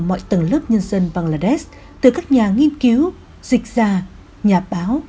mọi tầng lớp nhân dân bangladesh từ các nhà nghiên cứu dịch gia nhà báo